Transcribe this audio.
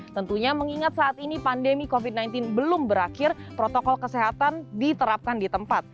tentunya mengingat saat ini pandemi covid sembilan belas belum berakhir protokol kesehatan diterapkan di tempat